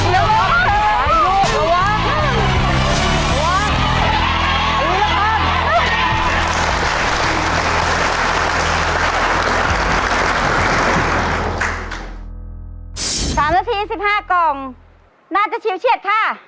นาที๑๕กล่องน่าจะฉิวเฉียดค่ะ